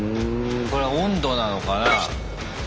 これ温度なのかな？